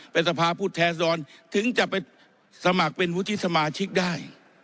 เป็นสภาพผู้แทนรถึงจะไปสมัครเป็นวุฒิสมาชิกได้